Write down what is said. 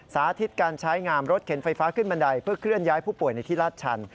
สาธิตการใช้งามรถเข็นไฟฟ้าขึ้นบันไดเพื่อเคลื่อนย้ายผู้ป่วยในที่ลาดชัน